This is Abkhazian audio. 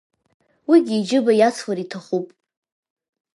Уигьы иџьыба иацлар иҭахуп.